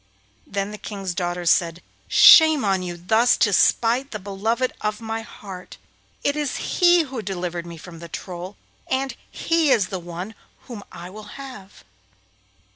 Then the King's daughter said: 'Shame on you thus to smite the beloved of my heart. It is he who delivered me from the Troll, and he is the one whom I will have.